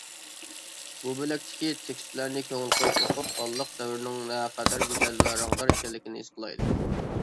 بۇ بۆلەكتىكى تېكىستلەرنى كۆڭۈل قويۇپ ئوقۇپ، بالىلىق دەۋرنىڭ نەقەدەر گۈزەل ۋە رەڭدار ئىكەنلىكىنى ھېس قىلايلى.